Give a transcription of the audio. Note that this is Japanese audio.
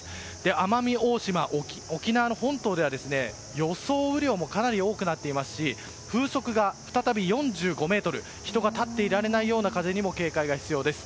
奄美大島、沖縄の本島では予想雨量もかなり多くなっていますし風速が再び４５メートル人が立っていられないような風に警戒が必要です。